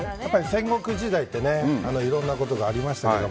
戦国時代ってねいろいろなことがありましたけど。